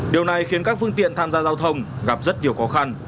điều này khiến các phương tiện tham gia giao thông gặp rất nhiều khó khăn